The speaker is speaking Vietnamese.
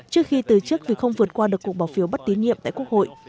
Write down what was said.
trước khi từ chức vì không vượt qua được cuộc bỏ phiếu bất tín nhiệm tại quốc hội